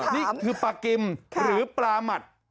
นี่คือปลากิมหรือปลาหมัด